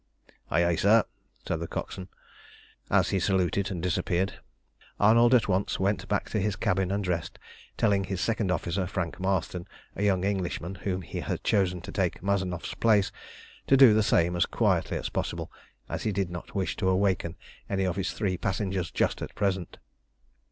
"Ay, ay, sir," said the coxswain, as he saluted and disappeared. Arnold at once went back to his cabin and dressed, telling his second officer, Frank Marston, a young Englishman, whom he had chosen to take Mazanoff's place, to do the same as quietly as possible, as he did not wish to awaken any of his three passengers just at present.